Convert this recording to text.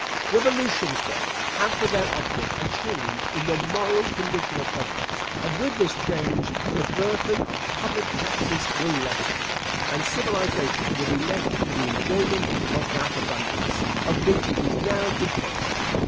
Revolutions, then, have for their object a change in the moral condition of governments, and with this change the burthen of public taxes will lessen, and civilisation will be left to the enjoyment of that abundance, of which it is now deprived.